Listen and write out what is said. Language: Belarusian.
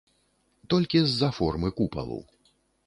Толькі з-за формы купалу.